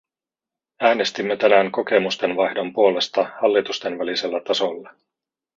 Äänestimme tänään kokemusten vaihdon puolesta hallitusten välisellä tasolla.